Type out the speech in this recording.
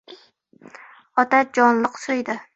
Otasi jonliq so‘ydi.